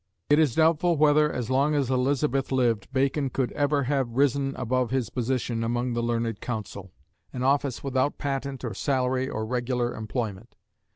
It is doubtful whether, as long as Elizabeth lived, Bacon could ever have risen above his position among the "Learned Counsel," an office without patent or salary or regular employment.